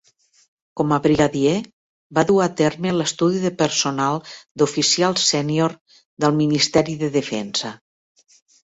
Com a brigadier, va dur a terme l'estudi de personal d'oficials sèniors del Ministeri de Defensa.